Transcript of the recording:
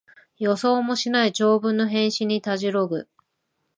予想もしない長文の返信にたじろぐ